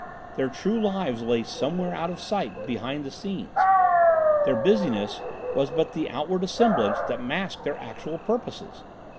Their true lives lay somewhere out of sight behind the scenes. Their busy ness was but the outward semblance that masked their actual purposes.